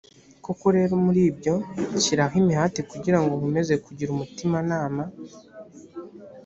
koko rero muri ibyo nshyiraho imihati kugira ngo nkomeze kugira umutimanama